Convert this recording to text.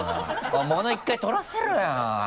物１回撮らせろよ！